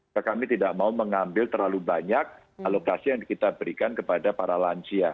maka kami tidak mau mengambil terlalu banyak alokasi yang kita berikan kepada para lansia